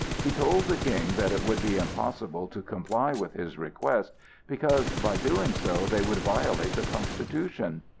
He told the King that it would be impossible to comply with his request, because by doing so they would violate the constitution.